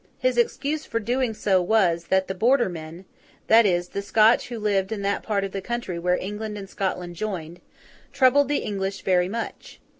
His excuse for doing so was, that the Border men—that is, the Scotch who lived in that part of the country where England and Scotland joined—troubled the English very much.